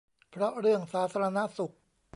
เพราะเรื่องสาธารณสุข